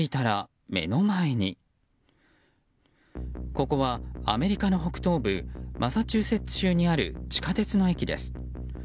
ここはアメリカの北東部マサチューセッツ州にある地下鉄の駅です。